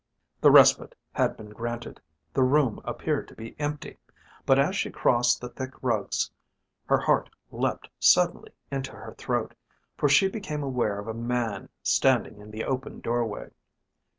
The respite had been granted, the room appeared to be empty. But as she crossed the thick rugs her heart leapt suddenly into her throat, for she became aware of a man standing in the open doorway.